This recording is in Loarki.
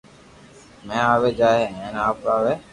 ۾ آوي جائي ھي ھين اووي